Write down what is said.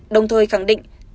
đồng thời khẳng định